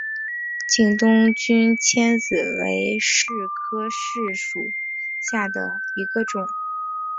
景东君迁子为柿科柿属下的一个种。